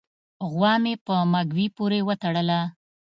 غوا مې په مږوي پورې و تړله